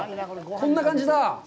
こんな感じだぁ！